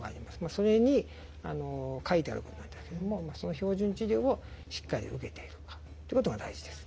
それに書いてあることなんですけれどもその標準治療をしっかり受けているかってことが大事です。